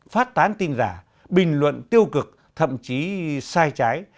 phát tán tin giả bình luận tiêu cực thậm chí sai trái